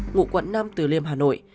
ngụ quận năm từ liêm hà nội